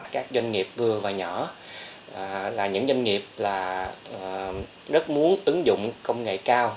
các doanh nghiệp vừa và nhỏ là những doanh nghiệp rất muốn ứng dụng công nghệ cao